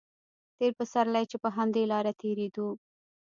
تېر پسرلی چې په همدې لاره تېرېدو.